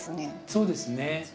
そうですね。